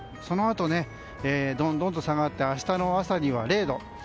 そのあとどんどんと下がって明日の朝には０度。